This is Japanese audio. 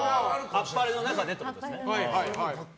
「あっぱれ」の中でってことですね。